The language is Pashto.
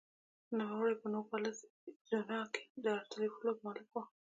نوموړی په نوګالس اریزونا کې د ارټلي فلوټ مالک و.